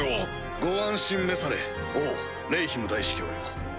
ご安心召され王レイヒム大司教よ。